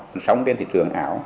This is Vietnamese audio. cơn sóng đến thị trường ảo